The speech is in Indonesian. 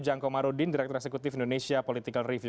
ujang komar udin direktur eksekutif indonesia political review